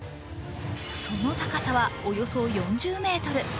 その高さはおよそ４０ｍ。